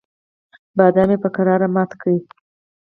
بادام یې په کراره مات کړل.